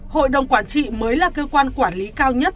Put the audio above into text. hội đồng quản trị mới là cơ quan quản lý cao nhất